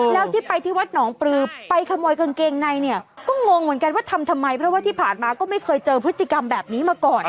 แล้วที่ไปที่วัดหนองปลือไปขโมยกางเกงในเนี่ยก็งงเหมือนกันว่าทำทำไมเพราะว่าที่ผ่านมาก็ไม่เคยเจอพฤติกรรมแบบนี้มาก่อน